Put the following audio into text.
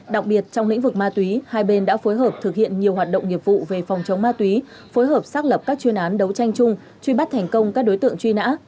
đặc biệt trong lĩnh vực ma túy hai bên đã phối hợp thực hiện nhiều hoạt động nghiệp vụ về phòng chống ma túy phối hợp xác lập các chuyên án đấu tranh chung truy bắt thành công các đối tượng truy nã